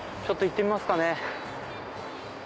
ちょっと行ってみますかね。